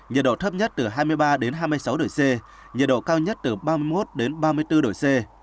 nhiệt độ thấp nhất từ hai mươi ba đến hai mươi sáu độ c nhiệt độ cao nhất từ ba mươi một đến ba mươi bốn độ c